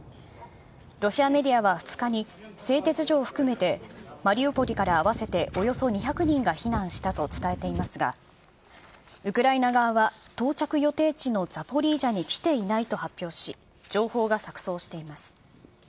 ロシアメディアは２日に、製鉄所を含めてマリウポリから合わせておよそ２００人が避難したと伝えていますが、ウクライナ側は到着予定地のザポリージャに来ていないと発表し、情報が錯そうしています。